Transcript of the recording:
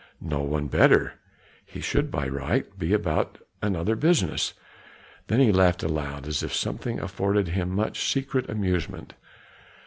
"No one better; he should by right be about another business," then he laughed aloud as if something afforded him much secret amusement.